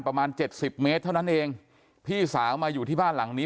ประมาณเจ็ดสิบเมตรเท่านั้นเองพี่สาวมาอยู่ที่บ้านหลังนี้